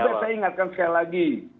sudah saya ingatkan sekali lagi